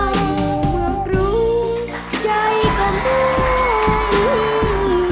อยู่เมื่อพรุ่งใจกำลัง